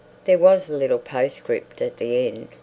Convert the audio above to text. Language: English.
There was a little postscript at the end.